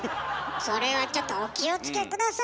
それはちょっとお気を付け下さいよ。